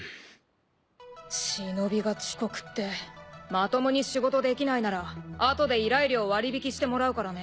忍が遅刻ってまともに仕事できないならあとで依頼料割り引きしてもらうからね。